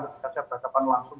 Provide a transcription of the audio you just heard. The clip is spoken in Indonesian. ketika saya berhadapan langsung